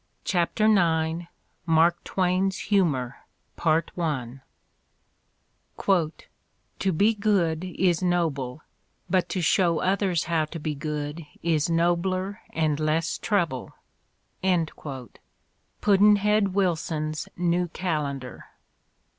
CHAPTER IX MARK TWAIN's HUMOE "To be good is noble; but to show others how to be good is nobler and less trouble." Pudd'nhead Wilson's New Calendar.